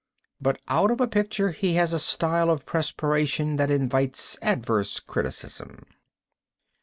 But out of a picture he has a style of perspiration that invites adverse criticism.